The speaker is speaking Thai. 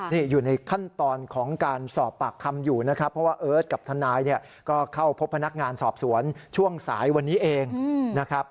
นี่อยู่ในขั้นตอนของการสอบปากคำอยู่นะครับเพราะว่าเอิร์ทกับทนายเนี่ยก็เข้าพบพนักงานสอบสวนช่วงสายวันนี้เองนะครับ